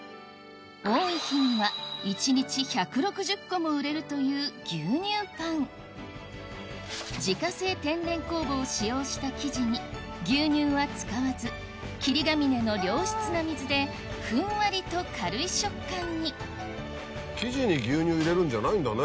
多い日には牛乳パン自家製天然酵母を使用した生地に牛乳は使わず霧ヶ峰の良質な水でふんわりと軽い食感に生地に牛乳入れるんじゃないんだね。